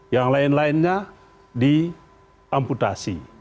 yang lain lainnya diamputasi